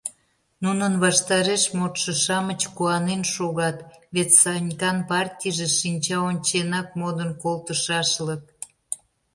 Нунын ваштареш модшо-шамыч куанен шогат — вет Санькан партийже шинча онченак модын колтышашлык.